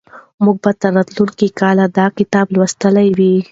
موږ به تر راتلونکي کاله دا کتاب لوستلی وي.